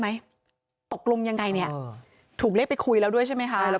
ไหมตกลงยังไงเนี่ยถูกเรียกไปคุยแล้วด้วยใช่ไหมคะแล้ว